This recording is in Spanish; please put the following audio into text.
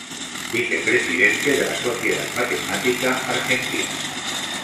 Vice-Presidente de la Sociedad Matemática Argentina